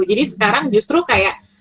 jadi sekarang justru kayak